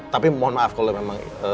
tapi mohon maaf kalau memang